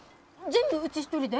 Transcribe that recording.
全部うち一人で？